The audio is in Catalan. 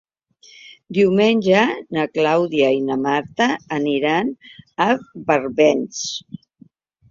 Diumenge na Clàudia i na Marta aniran a Barbens.